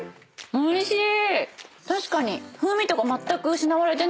おいしい！